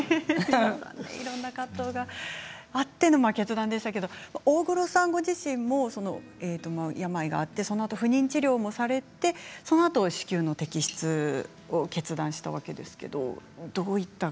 いろんな葛藤があっての結論でしたけれど大黒さんご自身も病があってそのあと不妊治療もされてそのあと、子宮の摘出決断されましたね。